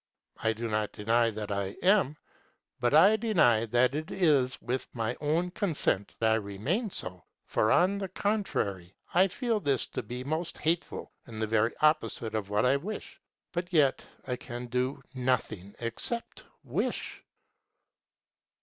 I do not deny that I am; but I deny that it is with my own consent I remain so. For, on the contrary, I feel this to be most hateful and the very opposite of what I wish. But yet I can do nothing except wish.